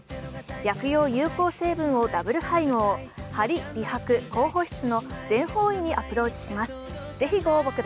薬用有効成分をダブル配合、ハリ、美白、高保湿の全方位にアプローチします。